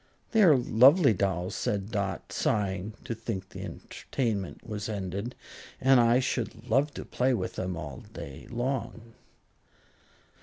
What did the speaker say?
"They are lovely dolls," said Dot, sighing to think the entertainment was ended, "and I should love to play with them all day long."